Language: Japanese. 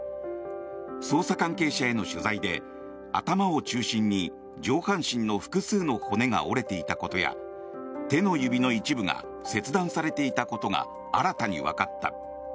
捜査関係者への取材で頭を中心に上半身の複数の骨が折れていたことや手の指の一部が切断されていたことが新たにわかった。